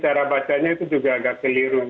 cara bacanya itu juga agak keliru